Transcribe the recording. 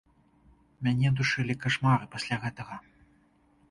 Мяне душылі кашмары пасля гэтага.